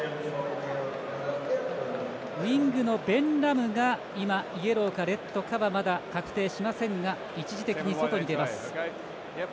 ウイングのベン・ラムがイエローか、レッドかはまだ確定しませんが一時的に外に出ます。